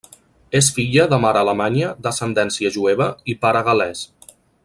És filla de mare alemanya d'ascendència jueva i pare gal·lès.